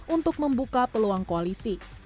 untuk membuka peluang koalisi